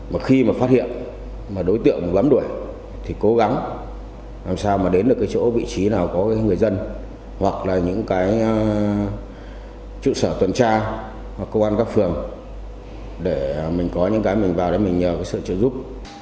mà khi mà phát hiện mà đối tượng lắm đuổi thì cố gắng làm sao mà đến được cái chỗ vị trí nào có người dân hoặc là những cái trụ sở tuần tra hoặc công an các phường để mình có những cái mình vào đấy mình nhờ cái sự trợ giúp